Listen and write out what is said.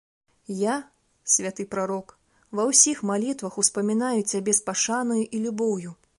Я, святы прарок, ва ўсіх малітвах успамінаю цябе з пашанай і любоўю.